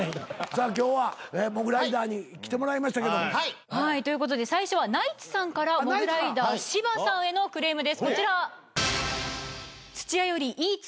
今日はモグライダーに来てもらいましたけど。ということで最初はナイツさんからモグライダー芝さんへのクレームですこちら。